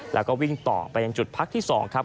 แล้วก็วิ่งต่อไปยังจุดพักที่๒ครับ